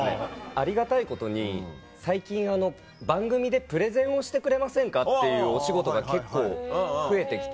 ありがたいことに最近「番組でプレゼンをしてくれませんか」っていうお仕事が結構増えて来て。